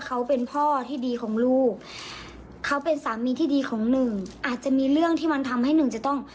เขาเป็นสามีที่ดีของหนึ่งอาจจะมีเรื่องที่มันทำให้หนึ่งจะต้อง